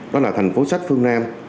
đó là thành phố sách phương nam